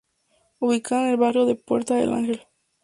Ubicada en el Barrio de Puerta del Ángel.